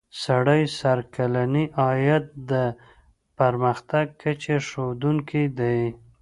سړي سر کلنی عاید د پرمختګ کچې ښودونکی دی.